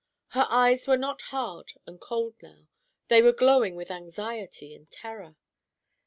Her eyes were not hard and cold now. They were glowing with anxiety and terror.